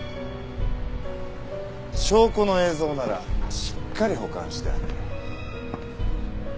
証拠の映像ならしっかり保管してある。